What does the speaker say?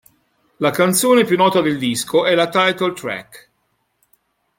La canzone più nota del disco è la "title track".